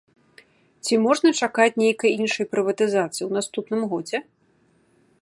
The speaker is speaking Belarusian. Ці можна чакаць нейкай іншай прыватызацыі ў наступным годзе?